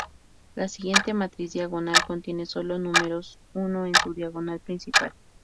La siguiente matriz diagonal contiene sólo números uno en su diagonal principal.